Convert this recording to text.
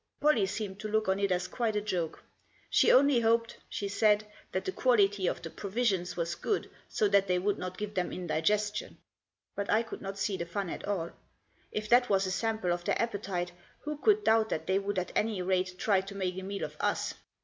Pollie seemed to look on it as quite a joke. She only hoped, she said, that the quality of the t provisions was good, so that they would not give them indiges tion. But I could not see the fun at all. If that was a sample of their appetite, who could doubt that they would at any rate try to make a meal of us.